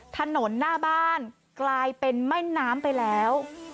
ถนนหน้าบ้านกลายเป็นแม่น้ำไปแล้ว